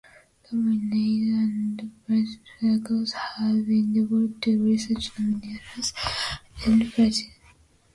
Dominance and prestige scales have been developed to research dominance and prestige.